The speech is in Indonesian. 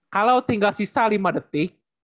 kalau tinggal sisa lima detik